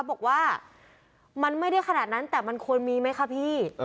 บอกว่ามันไม่ได้ขนาดนั้นแต่มันควรมีไหมคะพี่